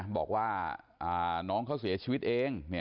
บอกว่าน้องเขาเสียชีวิตเอง